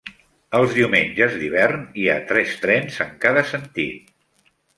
Els diumenges d'hivern hi ha tres trens en cada sentit.